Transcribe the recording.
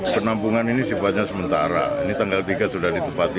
penampungan ini sifatnya sementara ini tanggal tiga sudah ditepati